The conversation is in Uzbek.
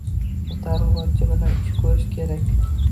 U targ‘ibotchi bilan ish ko‘rishi kerak.